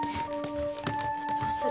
どうする？